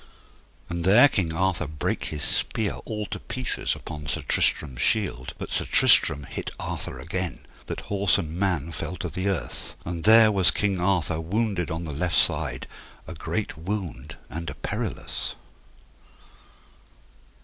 And there King Arthur brake his spear all to pieces upon Sir Tristram's shield. But Sir Tristram hit Arthur again, that horse and man fell to the earth. And there was King Arthur wounded on the left side, a great wound and a perilous.